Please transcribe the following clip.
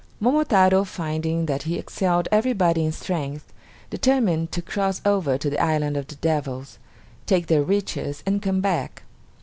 Momotaro finding that he excelled everybody in strength, determined to cross over to the island of the devils, take their riches, and come back.